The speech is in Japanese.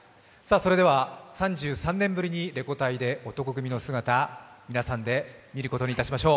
３３年ぶりにレコ大で男闘呼組の姿、皆さんで見ることにいたしましょう。